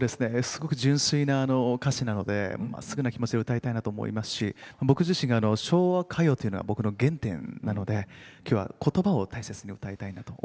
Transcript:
すごく純粋な歌詞なのでまっすぐな気持ちで歌いたいなと思いますし僕自身が昭和歌謡というのは僕の原点なのできょうは言葉を大切に歌いたいなと思っております。